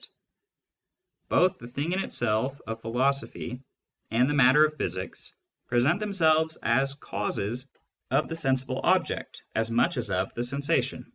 But both the thing in itself of philosophy and the matter of physics present themselves as outside causes of the sensible object as much as of the sensation.